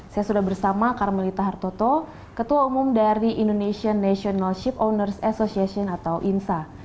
saya sudah bersama karmelita hartoto ketua umum dari indonesian national ship owners association atau insa